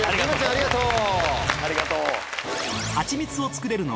ありがとう。